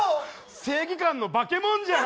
正義感の化けもんじゃん！